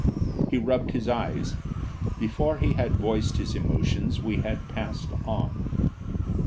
He rubbed his eyes. Before he had voiced his emotions we had passed on.